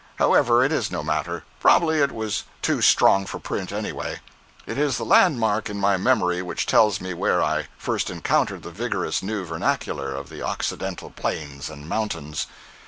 However, it is no matter—probably it was too strong for print, anyway. It is the landmark in my memory which tells me where I first encountered the vigorous new vernacular of the occidental plains and mountains.